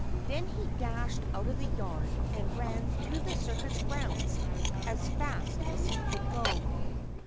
Then he dashed out of the yard and ran to the circus grounds as fast as he could go.